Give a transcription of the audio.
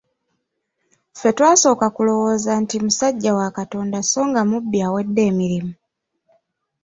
Ffe twasooka kulowooza nti musajja wa Katonda so nga mubbi awedde emirimu.